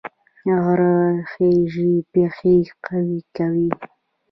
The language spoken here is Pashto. غره خیژي پښې قوي کوي